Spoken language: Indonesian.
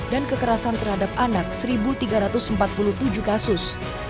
dan kekerasan terhadap anak seribu tiga ratus empat puluh tujuh kasus